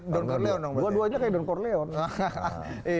dua duanya kayak don corleone